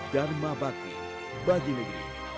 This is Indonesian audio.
dharma baki bagi negeri